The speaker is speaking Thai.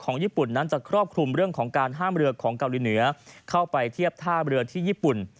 ญี่ปุ่นนั้นจะครอบคลุมเรื่องของการห้ามเรือของเกาหลีเหนือเข้าไปเทียบท่าเรือที่ญี่ปุ่น